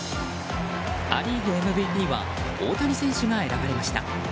ア・リーグＭＶＰは大谷選手が選ばれました。